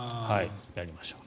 やりましょう。